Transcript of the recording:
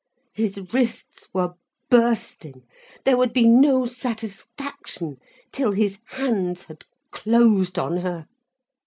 His wrists were bursting, there would be no satisfaction till his hands had closed on her.